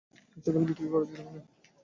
ইচ্ছা করলে বিক্রি করে দিতে পারেন।